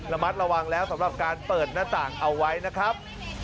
ระมัดระวังแล้วสำหรับการเปิดหน้าต่างเอาไว้นะครับ